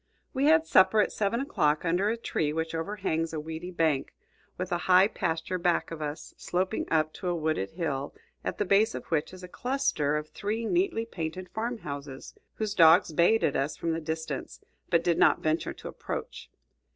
We had supper at seven o'clock, under a tree which overhangs a weedy bank, with a high pasture back of us, sloping up to a wooded hill, at the base of which is a cluster of three neatly painted farm houses, whose dogs bayed at us from the distance, but did not venture to approach.